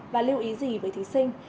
và lưu ý gì với thí sinh